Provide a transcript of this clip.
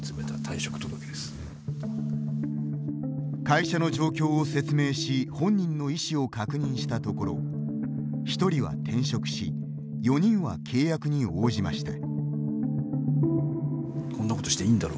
会社の状況を説明し本人の意思を確認したところ１人は転職し４人は契約に応じました。